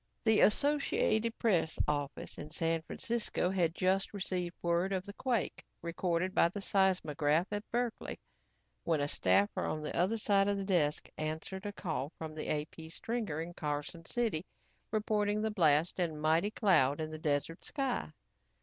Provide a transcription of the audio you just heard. The Associated Press office in San Francisco had just received word of the quake recorded by the seismograph at Berkeley when a staffer on the other side of the desk answered a call from the AP stringer in Carson City, reporting the blast and mighty cloud in the desert sky.